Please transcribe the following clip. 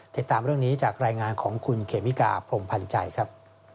ติดตามเรื่องนี้จากรายงานของคุณเคมิกาพรมพันธ์ใจครับ